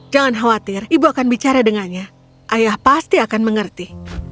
jangan khawatir ibu akan bicara dengannya ayah pasti akan mengerti